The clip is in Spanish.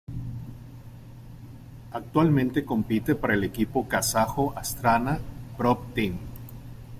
Actualmente compite para el equipo kazajo Astana Pro Team.